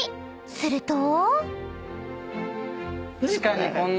すると］